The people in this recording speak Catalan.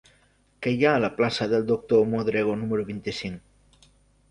Què hi ha a la plaça del Doctor Modrego número vint-i-cinc?